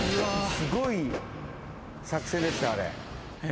すごい作戦でしたあれ。